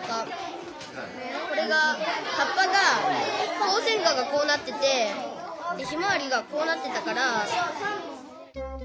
ホウセンカがこうなっててヒマワリがこうなってたから。